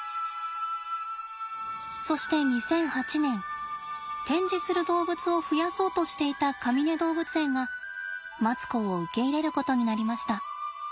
そして２００８年展示する動物を増やそうとしていたかみね動物園がマツコを受け入れることになりました。